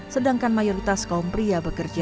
sedangkan mayoritas kaum pria bekerja